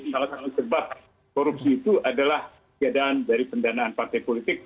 salah satu sebab korupsi itu adalah keadaan dari pendanaan partai politik